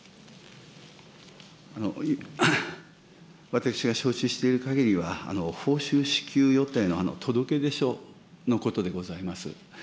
私が承知しているかぎりは、報酬支給予定の届け出書のことでございます。